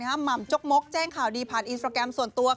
หม่ำจกมกแจ้งข่าวดีผ่านอินสตราแกรมส่วนตัว